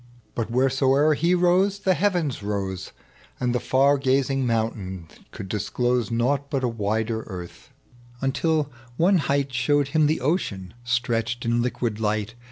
But wheresoe'er he rose, the heavens rose, And the far gazing mountain could disclose Nought but a wider earth ; until one height Showed him tlie ocean stretched in liquid light.